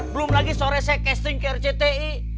belum lagi sore saya casting ke rcti